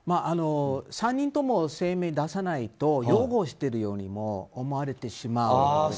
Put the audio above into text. ３人とも声明を出さないと擁護してるようにも思われてしまうので。